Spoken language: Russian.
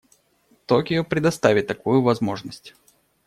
Токио предоставит такую возможность.